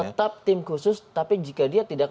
tetap tim khusus tapi jika dia tidak